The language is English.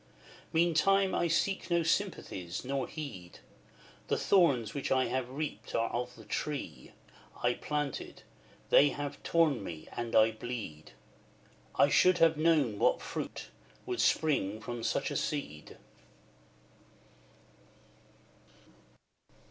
Meantime I seek no sympathies, nor need; The thorns which I have reaped are of the tree I planted, they have torn me, and I bleed: I should have known what fruit would spring from such a seed.